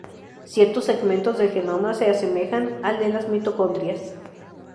Ciertos segmentos del genoma se asemejan al de las mitocondrias.